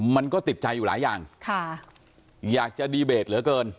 มันก็ติดใจอยู่หลายอย่างค่ะอยากจะดีเบตเหลือเกิน